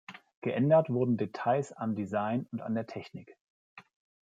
Geändert wurden Details am Design und an der Technik.